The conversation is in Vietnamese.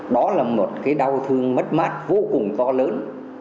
đó là một cái đau thương mất mát vô cùng to lớn